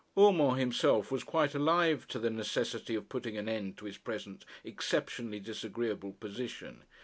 Urmand himself was quite alive to the necessity of putting an end to his present exceptionally disagreeable position.